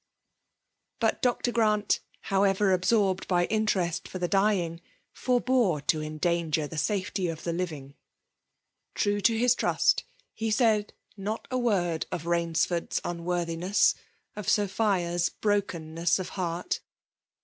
Sut Dr. Grant, how* ever absorbed by interest for the dying, fore* b«re to endanger the safety of the living. True to his trust* he said not a word of Bains fcnrd's unworthiness, of Sophia's brokenness of h^urt.'